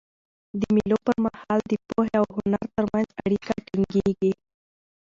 د مېلو پر مهال د پوهي او هنر ترمنځ اړیکه ټینګيږي.